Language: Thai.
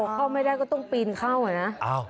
เข้าไม่ได้ก็ต้องปีนเข้าอะนะ